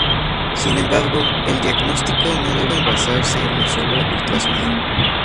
Sin embargo, el diagnóstico no debe basarse en un solo ultrasonido.